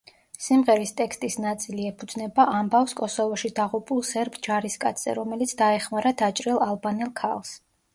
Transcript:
სიმღერის ტექსტის ნაწილი ეფუძნება ამბავს კოსოვოში დაღუპულ სერბ ჯარისკაცზე რომელიც დაეხმარა დაჭრილ ალბანელ ქალს.